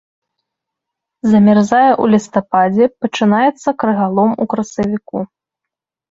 Замярзае ў лістападзе, пачынаецца крыгалом у красавіку.